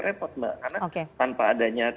repot mbak karena tanpa adanya